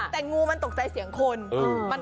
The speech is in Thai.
แต่งูมันตกใจเสียงคน